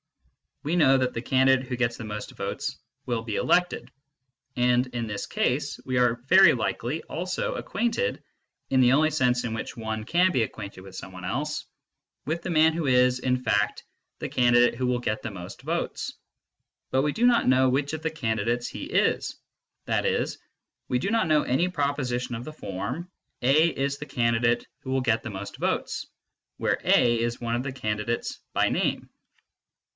We know that the candidate who gets most votes will be elected, and in this case we are very likely also acquainted (in the only sense in which one can be acquainted with some one else) with the man who is, in fact, the candidate who will get most votes, but we do not know which of the candidates he is, i.e. we do not know any proposition of the form " A is the candidate who will get most votes " where A is one of the candidates by name.